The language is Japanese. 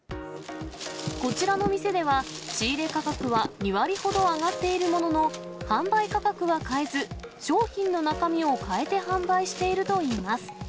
こちらの店では、仕入れ価格は２割ほど上がっているものの、販売価格は変えず、商品の中身を変えて販売しているといいます。